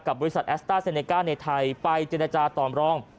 กับบริษัทแอสเตอร์แซเนก้าในไทยไปเจรจาตอมร่อง